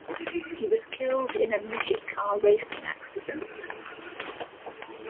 He was killed in a midget-car racing accident.